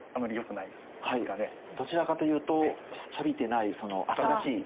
はいどちらかというとさびてない新しいものの方が。